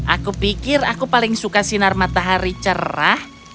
aku pikir aku paling suka sinar matahari cerah